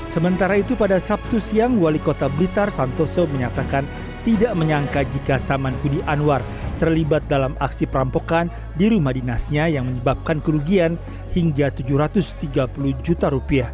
sementara itu pada sabtu siang wali kota blitar santoso menyatakan tidak menyangka jika saman hudi anwar terlibat dalam aksi perampokan di rumah dinasnya yang menyebabkan kerugian hingga rp tujuh ratus tiga puluh juta